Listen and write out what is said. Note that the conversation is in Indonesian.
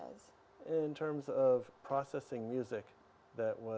dalam hal memproses musik yang